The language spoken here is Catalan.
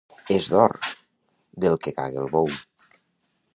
—És d'or! —Del que cague el bou.